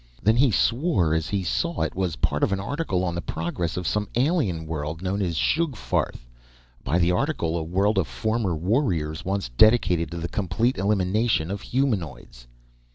Then he swore as he saw it was part of an article on the progress of some alien world known as Sugfarth by the article, a world of former warriors, once dedicated to the complete elimination of humanoids!